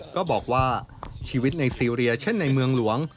ก็บอกว่าชีวิตในซีเรียเช่นในเมืองหลวง